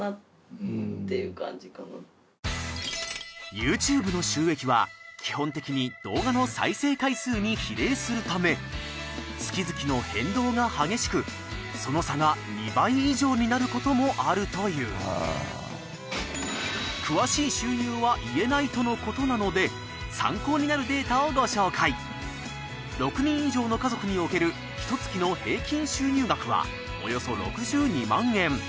ＹｏｕＴｕｂｅの収益は基本的に動画の再生回数に比例するため月々の変動が激しくその差が２倍以上になることもあるという詳しい収入は言えないとのことなので参考になるデータをご紹介６人以上のカゾクにおけるひと月の平均収入額はおよそ６２万円